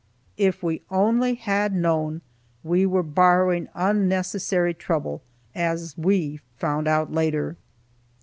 If we only had known, we were borrowing unnecessary trouble, as we found out later.